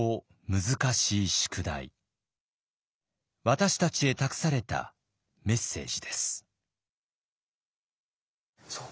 私たちへ託されたメッセージです。